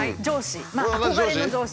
憧れの上司。